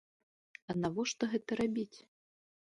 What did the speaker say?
А навошта гэта рабіць?